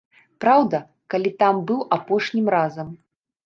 Праўда, калі там быў апошнім разам?!